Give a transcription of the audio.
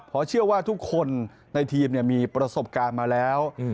เพราะเชื่อว่าทุกคนในทีมมีประสบการณ์มาแล้ว